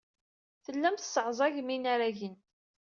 Tellam tesseɛẓagem inaragen.